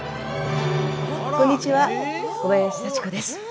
こんにちは小林幸子です。